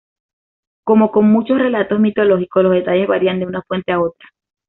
Como con muchos relatos mitológicos, los detalles varían de una fuente a otra.